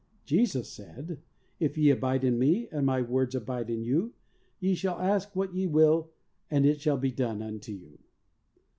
Jesus said, "If ye abide in Me and My words abide in you ye shall ask what ye will and it shall be done unto you."